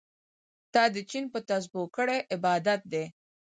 تا د چين په تسبو کړی عبادت دی